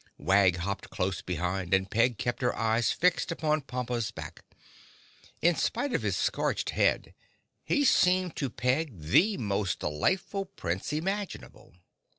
Wag hopped close behind and Peg kept her eyes fixed upon Pompa's back. In spite of his scorched head, he seemed to Peg the most delightful Prince imaginable.